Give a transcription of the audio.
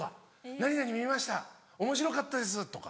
「何々見ましたおもしろかったです」とか。